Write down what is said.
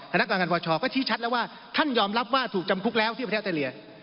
คณะกรรมการปชก็ชี้ชัดแล้วว่าท่านยอมรับว่าถูกจำคุกแล้วที่ประเทศออสเตรเลีย